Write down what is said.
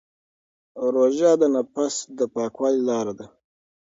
روژه د نفس د پاکوالي لاره ده.